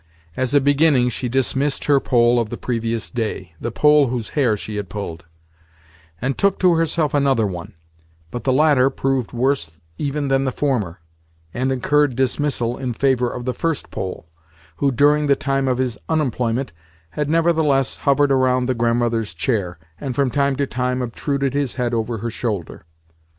As a beginning she dismissed her Pole of the previous day—the Pole whose hair she had pulled—and took to herself another one; but the latter proved worse even than the former, and incurred dismissal in favour of the first Pole, who, during the time of his unemployment, had nevertheless hovered around the Grandmother's chair, and from time to time obtruded his head over her shoulder.